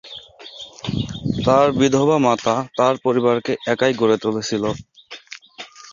তার বিধবা মাতা, তার পরিবারকে একাই গড়ে তুলেছিল।